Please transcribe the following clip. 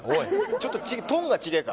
ちょっとトーンが違えか。